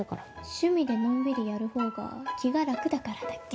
「趣味でのんびりやるほうが気が楽だから」だっけ？